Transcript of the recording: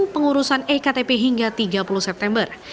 pengurusan ektp hingga tiga puluh september